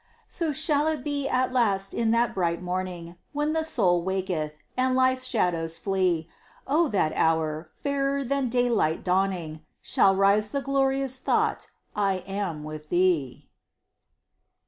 So shall it be at last in that bright morning, When the soul waketh, and life's shadows flee; O in that hour, fairer than daylight dawning, Shall rise the glorious thought I am with Thee.